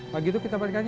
pagi itu kita balikkan ya